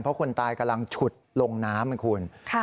เพราะคนตายกำลังฉุดลงน้ำให้คุณ